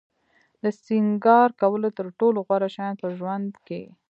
د سینگار کولو تر ټولو غوره شیان په ژوند کې.